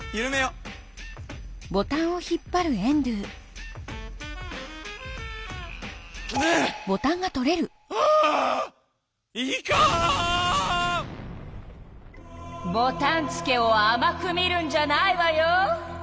ボタンつけをあまく見るんじゃないわよ！